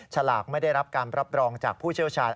ฉลากไม่ได้รับการรับรองจากผู้เชี่ยวชาญ